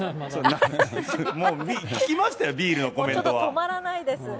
もう、聞きましたよ、ビールのコメントは。